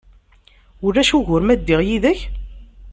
Ulac ugur ma ddiɣ yid-k?